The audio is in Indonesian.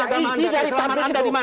di mana isi dari tabrik itu